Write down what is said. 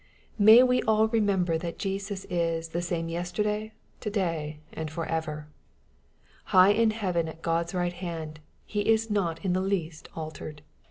May we all remember that Jesus is " the same yester day, to day, and for ever 1" High in heaven at God's right hand, He is not in the least altered.